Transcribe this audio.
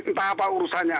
entah apa urusannya